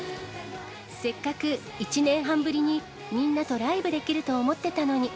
せっかく１年半ぶりにみんなとライブできると思ってたのに。